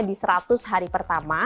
di seratus hari pertama